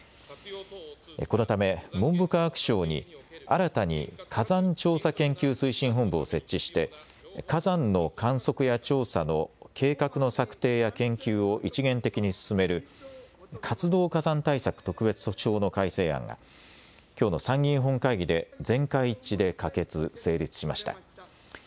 このため文部科学省に新たに火山調査研究推進本部を設置して火山の観測や調査の計画の策定や研究を一元的に進める活動火山対策特別措置法の改正案がきょうの参議院本会議で全会一致で可決・成立しました。